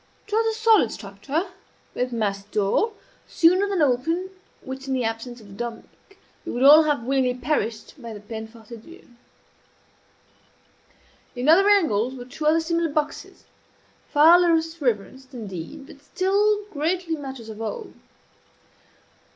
It was a solid structure, with massy door, sooner than open which in the absence of the "Dominie" we would all have willingly perished by the peine forte et dure. In other angles were two other similar boxes, far less reverenced, indeed, but still greatly matters of awe.